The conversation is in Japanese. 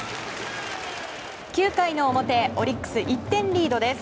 ９回の表オリックス、１点リードです。